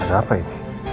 ada apa ini